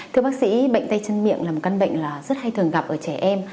thưa bác sĩ bệnh tay chân miệng là một căn bệnh rất hay thường gặp ở trẻ em